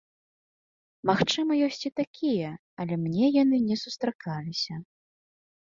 Магчыма, ёсць і такія, але мне яны не сустракаліся.